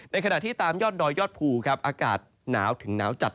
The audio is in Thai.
ขณะที่ตามยอดดอยยอดภูครับอากาศหนาวถึงหนาวจัด